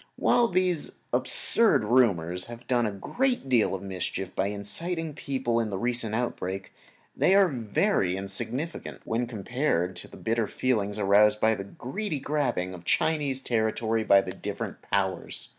While these absurd rumors have done a great deal of mischief by inciting the people in the recent outbreak, they are very insignificant when compared with the bitter feeling aroused by the greedy grabbing of Chinese territory by the different Powers.